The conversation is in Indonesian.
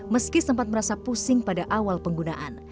meski sempat merasa pusing pada awal penggunaan